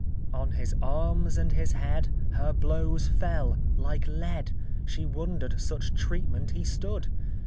] On his arms and his head Her blows fell like lead; She wonder'd such treatment he stood!